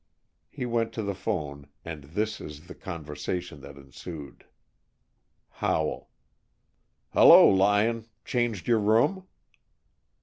He went to the phone, and this is the conversation that ensued. Howell: "Hello, Lyon. Changed your room?"